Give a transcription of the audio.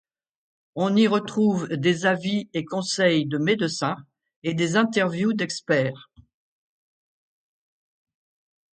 On y retrouve des avis et conseils de médecins et des interviews d’experts.